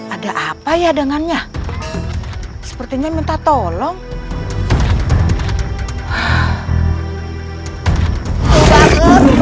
ada apa ya dengannya sepertinya minta tolong